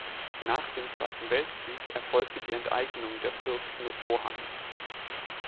Nach dem Zweiten Weltkrieg erfolgte die Enteignung der Fürsten Rohan.